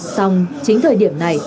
song chính thời điểm này